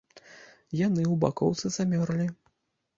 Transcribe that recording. Яны ў бакоўцы замёрлі.